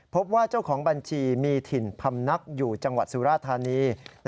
พบว่าเจ้าของบัญชีมีถิ่นพำนักอยู่จังหวัดสุราธานี